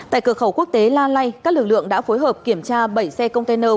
tại cửa khẩu quốc tế la lai các lực lượng đã phối hợp kiểm tra bảy xe container